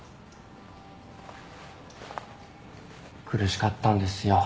苦しかったんですよ